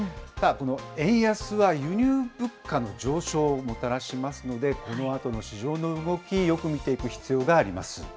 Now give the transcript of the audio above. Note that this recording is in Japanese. この円安は輸入物価の上昇をもたらしますので、このあとの市場の動き、よく見ていく必要があります。